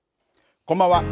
こんばんは。